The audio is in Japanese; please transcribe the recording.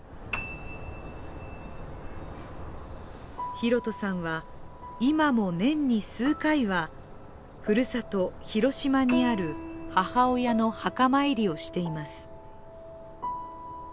寛人さんは今も年に数回はふるさと・広島にある母親の墓参りをしています。